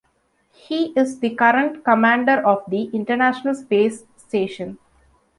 He is the current Commander of the International Space Station.